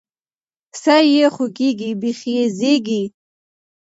ـ سر يې ښويکى، بېخ يې زيږکى.